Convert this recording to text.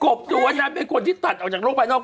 บตัวนางเป็นคนที่ตัดออกจากโลกภายนอก